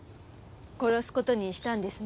殺す事にしたんですね？